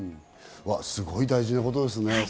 すごく大事なことですね。